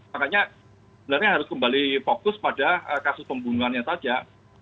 makanya sebenarnya harus kembali fokus pada kasus pembunuhannya saja